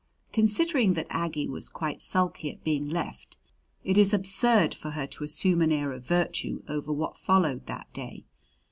Considering that Aggie was quite sulky at being left, it is absurd for her to assume an air of virtue over what followed that day.